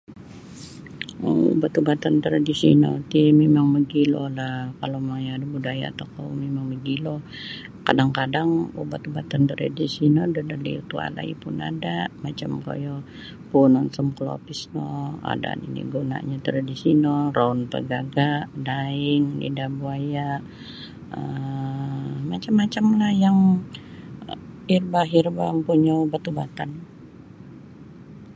um ubat-ubatan tradisional ti mimang mogilolah kalau maya' da budaya tokou mimang mogilo. Kadang-kadang ubat-ubatan tradisional da liliut walai pun ada' macam koyo puun onsom kolopis no ada' nini' guna'nyo tradisional roun pagaga' daing lidah budaya um macam-macamlah hirba-hirba ompunyo ubat-ubatan.